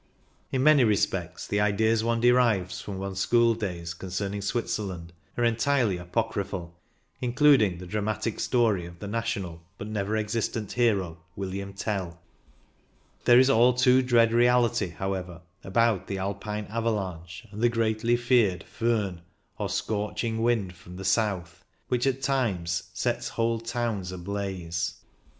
In many respects the ideas one derives from one's school days concerning Switzerland are entirely apochryphal, including the dramatic story of the national, but never existent hero, William Tell ; there is an all too 144 CYCLING IN THE ALPS dread reality, however, about the Alpine avalanche and the greatly feared fdhn^ or scorching wind from the south, which at times sets whole towns ablaze.